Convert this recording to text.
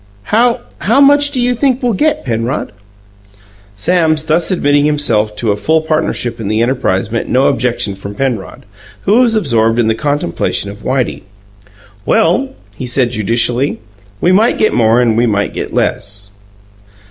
How how much do you think we'll get, Penrod?" Sam's thus admitting himself to a full partnership in the enterprise met no objection from Penrod, who was absorbed in the contemplation of Whitey. "Well," he said judicially, "we might get more and we might get less."